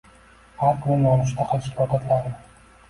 Har kuni nonushta qilishga odatlaning